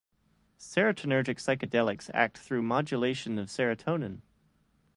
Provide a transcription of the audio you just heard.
Serotonergic psychedelics act through modulation of serotonin.